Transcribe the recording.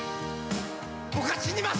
「僕は死にません！